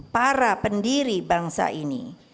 para pendiri bangsa ini